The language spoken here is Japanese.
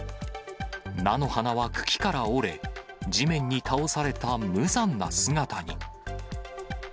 菜の花は茎から折れ、地面に倒された無残な姿に。